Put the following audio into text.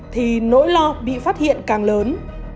thì nỗi lo bị phát hiện càng lớn